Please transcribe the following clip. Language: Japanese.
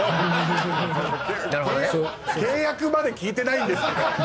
契約まで聞いてないんですけど。